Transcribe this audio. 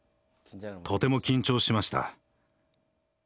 とても緊張しました。